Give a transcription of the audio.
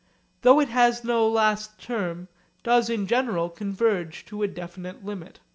though it has no last term, does in general converge to a definite limit.